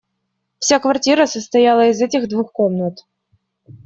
Вся квартира состояла из этих двух комнат.